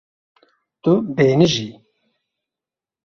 Tu bêhnijî.